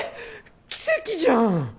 奇跡じゃん！